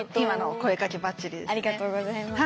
ありがとうございます。